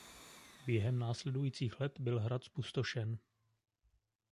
Během následujících let byl hrad zpustošen.